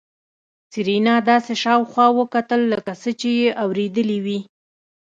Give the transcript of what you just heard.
سېرېنا داسې شاوخوا وکتل لکه څه چې يې اورېدلي وي.